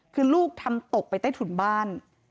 คือลูกทำตกไปใต้ถุนบ้าน